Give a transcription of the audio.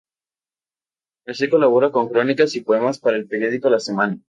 Allí colaboró con crónicas y poemas para el periódico "La Semana".